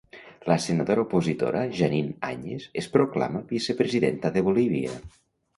La senadora opositora Jeanine Añez es proclama vicepresidenta de Bolívia.